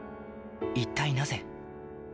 一体なぜ。